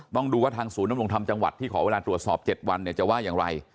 ต้องดูว่าทางศูนย์นำรงธรรมจังหวัดที่ขอเวลาตรวจสอบ๗วันเนี่ยจะว่าอย่างไร